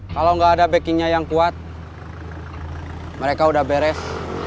kalau nggak ada backingnya yang kuat mereka udah beres